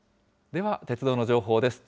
では、鉄道の情報です。